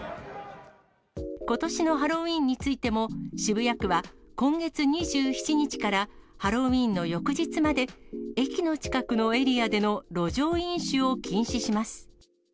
ことしのハロウィーンについても、渋谷区は、今月２７日からハロウィーンの翌日まで、駅の近くのエリアでの路上飲酒を禁止します。